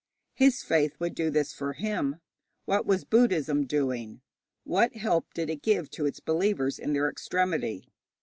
His faith would do this for him. What was Buddhism doing? What help did it give to its believers in their extremity?